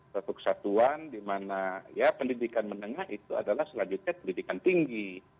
satu kesatuan di mana ya pendidikan menengah itu adalah selanjutnya pendidikan tinggi